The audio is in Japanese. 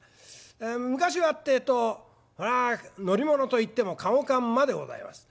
昔はってぇと乗り物といっても駕籠か馬でございます。